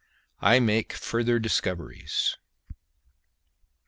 I MAKE FURTHER DISCOVERIES.